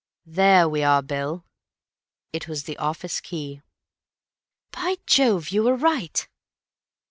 "There we are, Bill." It was the office key. "By Jove, you were right."